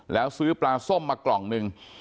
แล้วซื้อปลาส้มมากล่องหนึ่ง